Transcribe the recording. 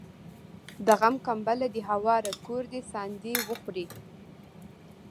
د غم کمبله دي هواره کور دي ساندي وخوري